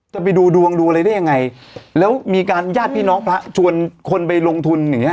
จะไปดูดวงดูอะไรได้ยังไงแล้วมีการญาติพี่น้องพระชวนคนไปลงทุนอย่างเงี้